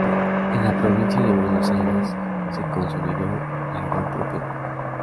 En la provincia de Buenos Aires se consolidó la gran propiedad.